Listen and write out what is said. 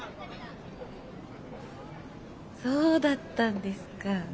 そうだったんですか。